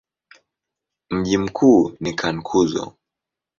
Mji mkuu ni Cankuzo.